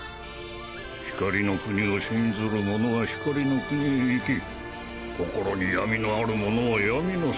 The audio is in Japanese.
光の国を信ずる者は光の国へ行き心に闇のある者は闇の世界へ。